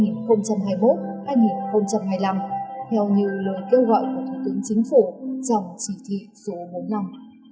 giai đoạn hai nghìn hai mươi một hai nghìn hai mươi năm theo nhiều lời kêu gọi của thủ tướng chính phủ trong chỉ thị số bốn năm